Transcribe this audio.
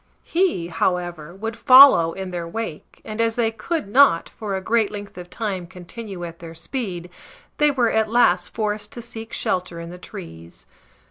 He, however, would follow in their wake, and as they could not, for a great length of time, continue at their speed, they were at last forced to seek shelter in the trees.